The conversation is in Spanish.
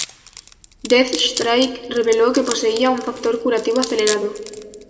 Deathstrike reveló que poseía un factor curativo acelerado.